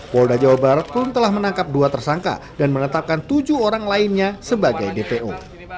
polda jawa barat pun telah menangkap dua tersangka dan menetapkan tujuh orang lainnya sebagai dpo